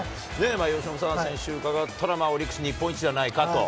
由伸さん、先週伺ったらオリックス日本一じゃないかと。